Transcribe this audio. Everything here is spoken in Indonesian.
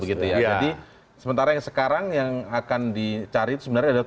jadi sementara yang sekarang yang akan dicari sebenarnya ada tujuh